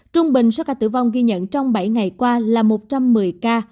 trung bình số ca tử vong ghi nhận trong bảy ngày qua là một trăm một mươi ca